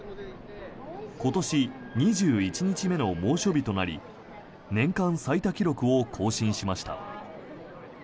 今年２１日目の猛暑日となり年間最多記録を更新しました。